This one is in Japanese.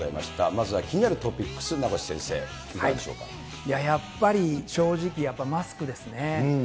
まずは気になるトピックス、やっぱり、正直、やっぱりマスクですね。